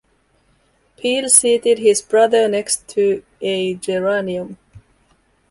Peale seated his brother next to a geranium.